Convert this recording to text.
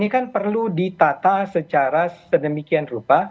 ini kan perlu ditata secara sedemikian rupa